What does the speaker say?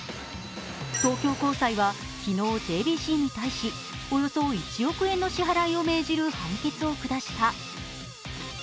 東京高裁は、昨日ＪＢＣに対しおよそ１億円の支払いを命じる判決を下した。